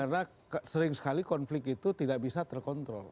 karena sering sekali konflik itu tidak bisa terkontrol